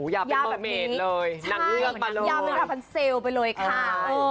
อยากเป็นเบอร์เมดเลยนักเลือกไปเลยยาวเป็นฟันเซลล์ไปเลยค่ะ